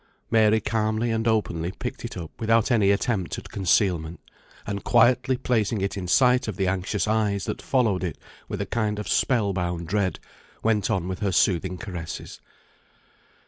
[Footnote 48 "Cricket," a stool.] Mary calmly and openly picked it up without any attempt at concealment, and quietly placing it in sight of the anxious eyes that followed it with a kind of spell bound dread, went on with her soothing caresses.